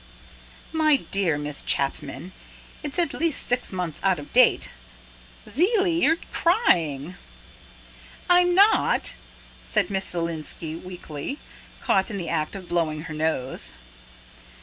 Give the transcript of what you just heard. "My dear Miss Chapman, it's at least six months out of date. Ziely, you're crying!" "I'm not," said Miss Zielinski weakly, caught in the act of blowing her nose.